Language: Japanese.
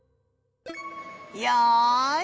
よい。